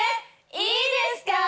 いいですかぁー？